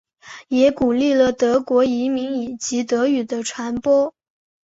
也鼓励了德国移民以及德语的传播。